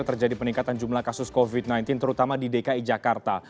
terjadi peningkatan jumlah kasus covid sembilan belas terutama di dki jakarta